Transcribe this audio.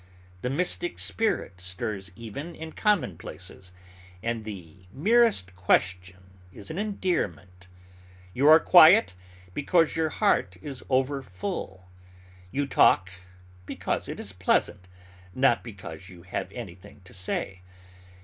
The mystic spirit stirs even in commonplaces, and the merest question is an endearment. You are quiet because your heart is over full. You talk because it is pleasant, not because you have anything to say.